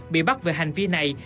bị bắt về hành vi này